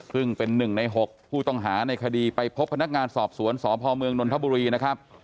ซึ่งเป็น๑ใน๖ผู้ต้องหาในคดีไปพบพนักงานสอบสวนสพเมืองนนทบุรีนะครับ